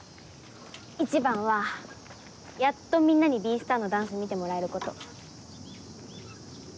一番はやっとみんなに「Ｂｅ：ＳＴＡＲ」のダンス見てもらえること。